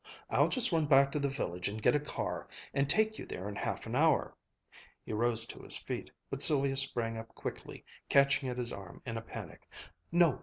I'll just run back to the village and get a car and take you there in half an hour." He rose to his feet, but Sylvia sprang up quickly, catching at his arm in a panic. "No!